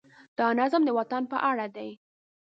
دا نظم د وطن په اړه دی.